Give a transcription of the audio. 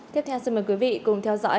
tiếp theo xin mời quý vị cùng theo dõi